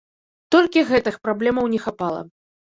Толькі гэтых праблемаў не хапала.